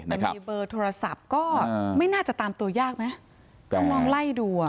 มีเบอร์โทรสับก็ไม่น่าจะตามตัวยากไหมต้องลองไล่ดู